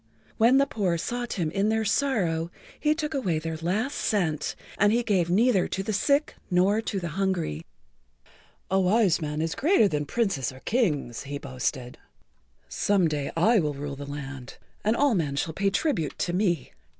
When the poor sought him in their sorrow he took away their last cent, and he gave neither to the sick nor to the hungry. [Pg 51]"A wise man is greater than Princes or Kings," he boasted. "Some day I will rule the land and all men shall pay tribute to me."